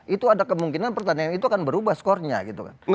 itu ada kemungkinan pertandingan itu akan berubah skornya gitu kan